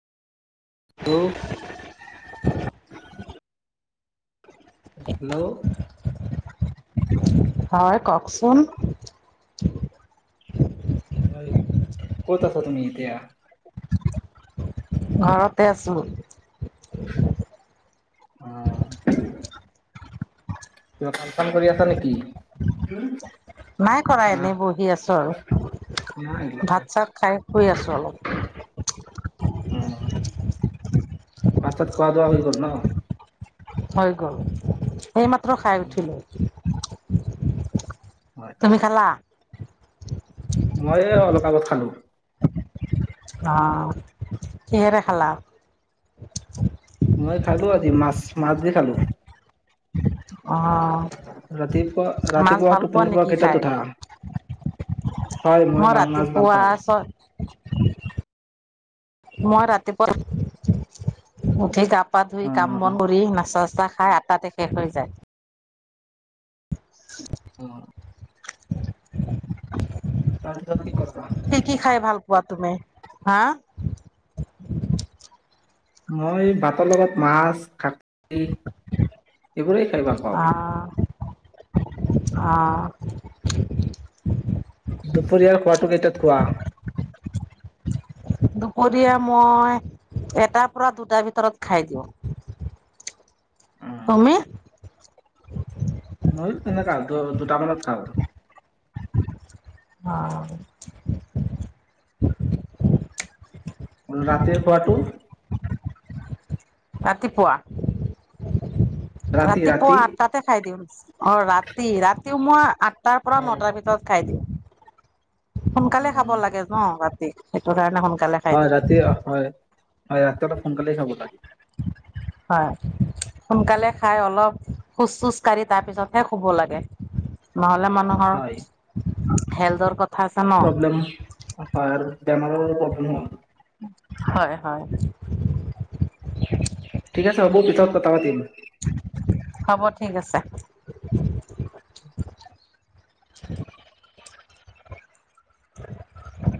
Hello. হে hello. হয়, ককচোন। হয়, ক'ত আছা তুমি এতিয়া? ঘৰতে আছো। অহ। কিবা [unintelligible] চাম কৰি আছা নেকি? নাই কৰা না এনেই বহি আছোঁ আৰু, নাই ভাত চাত খাই শুই আছো অলপ। উম, বাত-চাত খোৱা-বোৱা হৈ গ'ল ন? হৈ গ'ল। এই মাত্ৰ খাই উঠিলো। হয় [inaudible] তুমি খালা? মই অলপ আগত খালো। অ' কিহেৰে খালা? মই খালো আজি মাছ, মাছ দি খালো। অ' ৰাতিপুৱা মাছ ৰাতিপুৱা ভাল পোৱা টোপনিৰ পৰা নেকি কেইটাত খাই? উঠা হয় মই মই ভাল মাছ ভাল ৰাতিপুৱা পাওঁ ছয় মই ৰাতিপুৱা উঠি গাপ পা অ ধুই কাম বন কৰি নাচা চাহ খাই আটাতে শেষ হৈ যায়। [inaudible] অ'। তাৰপিছত কেতিয়াবা কোৱা তুমি, হাঁ? মই বাত লগত মাছ কাট-টি এইবোৰেই খাই ভাল পাওঁ। আ। দুপৰীয়াৰ খোৱাটো কেইটাত খোৱা? দুপৰীয়া মই, এটা পৰা দুটা ভিতৰত খাই দিওঁ। কমে। ময়ো তেনেকা দু-দুটা মানত খাওঁ। অ'। ৰাতিৰ খোৱাটো? ৰাতিপুৱা ৰাতি ৰাতি ৰাতিপুৱা আঠটাতে খাই দিওঁ। অ', ৰাতি, ৰাতিও মই আঠটাৰ পৰা হয় নটাৰ ৰাতি ভিতৰত খাই দিওঁ। সোনকালে খাব লাগে ন ভাত। সেইটোকাৰণে হয়, ৰাতি হয়। হয়, ৰাতি অলপ সোনকালে খাব লাগে। হয়, সোনকালে খাই অলপ খোজ চোজ কাঢ়ি তাৰপিচত হে, শুব লাগে ন'হল লে মানুহৰ হয় [unintelligible] প্ৰব্লেম হয়, বেমাৰৰ প্ৰব্ল [unintelligible] হয়, হয়। ঠিক আছে হ'ব, পিছত কথা পাতিম। হ'ব ঠিক [unintelligible] [unintelligible]